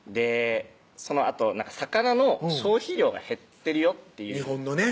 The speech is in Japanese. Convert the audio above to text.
そのあと「魚の消費量が減ってるよ」っていう日本のね